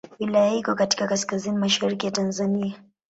Wilaya hii iko katika kaskazini mashariki ya Tanzania.